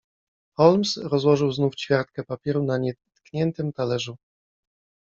"Holmes rozłożył znów ćwiartkę papieru na nietkniętym talerzu."